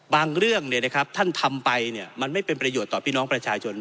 บางเรื่องท่านทำไปมันไม่เป็นประโยชน์ต่อพี่น้องประชาชน